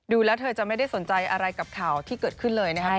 แล้วเธอจะไม่ได้สนใจอะไรกับข่าวที่เกิดขึ้นเลยนะครับ